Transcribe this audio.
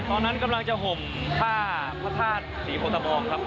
ตอนนั้นกำลังจะห่มผ้าพระธาตุธรรมค์สีโฮตาบองครับ